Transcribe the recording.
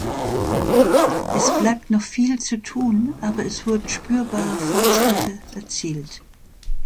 Es bleibt noch viel zu tun, aber es wurden spürbare Fortschritte erzielt.